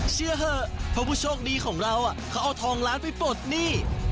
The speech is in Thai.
เชื่อเถอะเพราะผู้โชคดีของเราเขาเอาทองล้านไปปลดหนี้